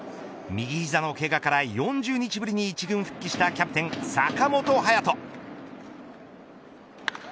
右膝のけがから４０日ぶりに一軍復帰したキャプテン坂本勇人。